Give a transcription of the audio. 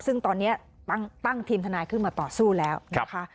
ซึ่งตอนนี้ตั้งทีมทนายขึ้นมาต่อสู้แล้วนะคะ